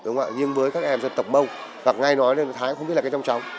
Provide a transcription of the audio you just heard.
nhưng với các em dân tộc mâu hoặc ngay nói thái cũng không biết là cái trong tróng